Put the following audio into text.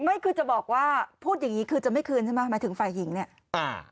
ไม่คือจะบอกว่าพูดอย่างงี้คือจะไม่คืนใช่ไหมหมายถึงฝ่ายหญิงเนี่ยอ่า